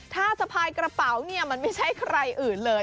ถ้าสะพายกระเป๋าเนี่ยมันไม่ใช่ใครอื่นเลย